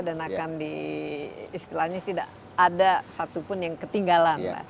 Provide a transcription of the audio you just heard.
dan akan diistilahnya tidak ada satupun yang ketinggalan